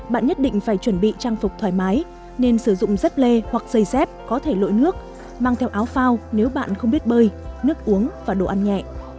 bạn nhất định phải chuẩn bị trang phục thoải mái nên sử dụng dép lê hoặc dây dép có thể lội nước mang theo áo phao nếu bạn không biết bơi nước uống và đồ ăn nhẹ